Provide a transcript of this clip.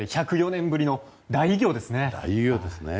１０４年ぶりの大偉業ですね。